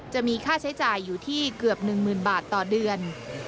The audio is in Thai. จะมีค่าใช้จ่ายอยู่ที่เกือบ๑๐๐๐บาทต่อเดือน